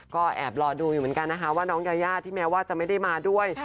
ก็แอบรอดูอยู่เหมือนกันนะคะว่าน้องยายาที่แม้ว่าจะไม่ได้มาด้วย